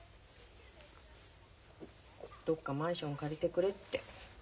どっかマンション借りてくれって。